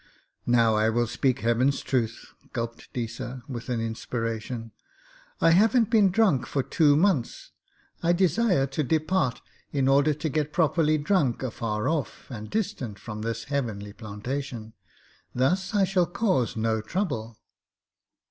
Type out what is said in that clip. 'Now I will speak Heaven's truth,' gulped Deesa, with an inspiration. 'I haven't been drunk for two months. I desire to depart in order to get properly drunk afar off and distant from this heavenly plantation. Thus I shall cause no trouble.'